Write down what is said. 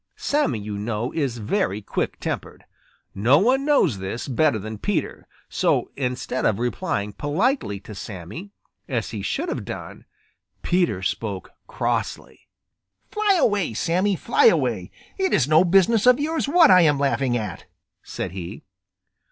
Sammy, you know, is very quick tempered. No one knows this better than Peter. So instead of replying politely to Sammy, as he should have done, Peter spoke crossly: "Fly away, Sammy, fly away! It is no business of yours what I am laughing at," said he.